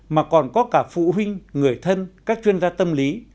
mà còn có cả phụ huynh người thân các chuyên gia tâm lý